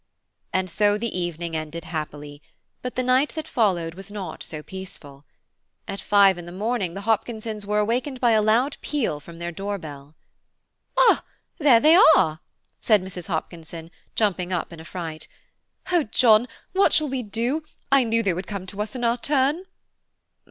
And so the evening ended happily; but the night that followed was not so peaceful. At five in the morning the Hopkinsons were awakened by a loud peal from their door bell. "Ah, there they are," said Mrs. Hopkinson, jumping up in a fright. "Oh, John, what shall we do? I knew they would come to us in our turn."